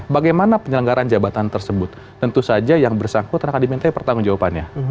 bagaimana penyelenggaran jabatan tersebut tentu saja yang bersangkutan akan diminta pertanggung jawabannya